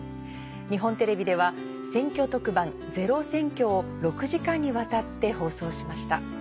日本テレビでは選挙特番『ｚｅｒｏ選挙』を６時間にわたって放送しました。